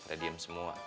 ada diem semua